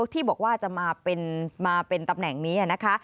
ที่บอกว่าจะมาเป็นตำแหน่งนี้นะคะ